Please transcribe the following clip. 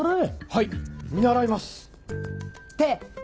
はい見習います。